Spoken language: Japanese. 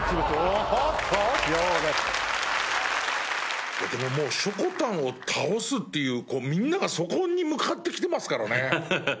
でももうしょこたんを倒すっていうみんながそこに向かってきてますからね。